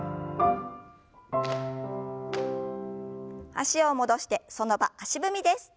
脚を戻してその場足踏みです。